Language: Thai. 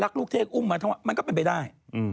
ทั้งลับลูกเทคอุ้มมาขึ้นมามันก็เป็นไปได้